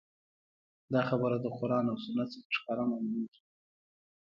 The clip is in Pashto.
دا خبره د قران او سنت څخه ښکاره معلوميږي